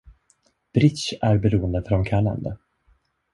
Bridge är beroendeframkallande.